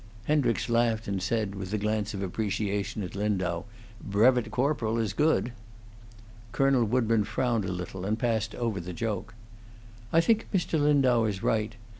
Hendricks laughed and said, with a glance of appreciation at Lindau, "Brevet corporal is good." Colonel Woodburn frowned a little, and passed over the joke. "I think Mr. Lindau is right.